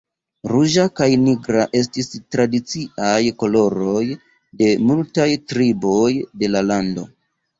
Ruĝa kaj nigra estis tradiciaj koloroj de multaj triboj de la lando.